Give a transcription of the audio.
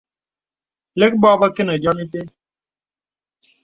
Lə̀k bò bə kə nə diōm itə̀.